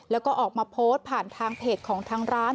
แล้วก็ออกมาโพสต์ผ่านทางเพจของทางร้าน